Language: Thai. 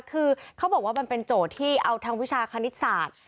คือเขาบอกว่ามันเป็นโจทย์ที่เอาทางวิชาคณิตศาสตร์